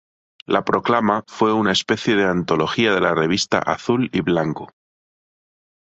La proclama fue una especie de antología de la revista "Azul y Blanco".